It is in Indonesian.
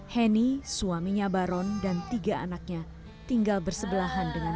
heni suaminya baron dan tiga anaknya tinggal bersebelahan dengan